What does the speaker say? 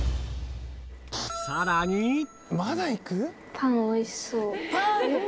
パン、おいしそう。